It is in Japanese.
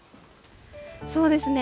そうですね。